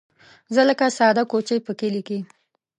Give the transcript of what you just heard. زه لکه ساده کوچۍ په کلي کې